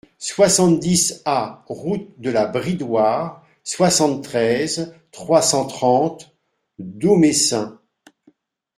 soixante-dix A route de la Bridoire, soixante-treize, trois cent trente, Domessin